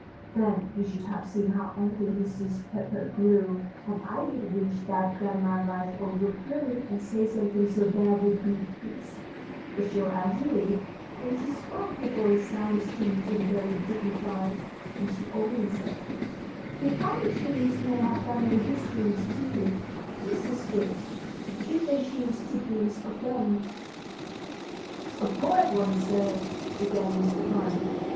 Then you should have seen how angry Mrs. Pepper grew and I did wish that Grandma Liveoak would hurry and say something so there would be peace; but sure as you live, when she spoke her voice sounded strange and very dignified, and she only said: "The other trees may have family histories too, Mrs. Fig, if they chose to boast of them!" "A poet once said," began Mr. Pine.